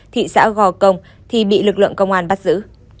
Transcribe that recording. thị xã gò công thì bị lực lượng công an bắt giữ